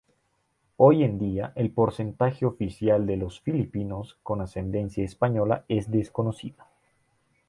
Hoy en día, el porcentaje oficial de los filipinos con ascendencia española es desconocida.